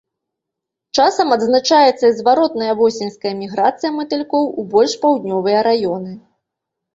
Часам адзначаецца і зваротная восеньская міграцыя матылькоў ў больш паўднёвыя раёны.